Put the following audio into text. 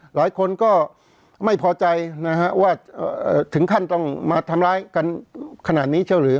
หลายคนก็ไม่พอใจนะฮะว่าถึงขั้นต้องมาทำร้ายกันขนาดนี้เช่าหรือ